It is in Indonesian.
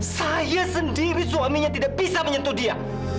saya sendiri suaminya tidak bisa menyentuh dia